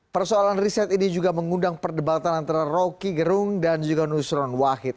persoalan riset ini juga mengundang perdebatan antara roky gerung dan juga nusron wahid